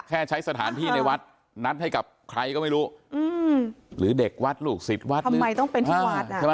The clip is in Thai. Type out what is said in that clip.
แค่ใช้สถานที่ในวัดนัดให้กับใครก็ไม่รู้หือเด็กวัดลูกศิษย์วัดหรือ